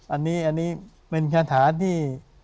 อันนี้เป็นคาถาที่